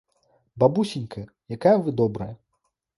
Бабусенька, якая вы добрая!